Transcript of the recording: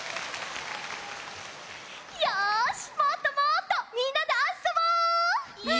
よしもっともっとみんなであっそぼ！はい。